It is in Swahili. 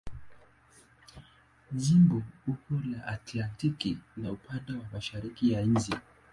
Jimbo uko la Atlantiki na upande wa mashariki ya nchi.